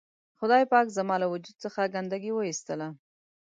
خدای پاک زما له وجود څخه ګندګي و اېستله.